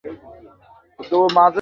আমাদের operator, sick.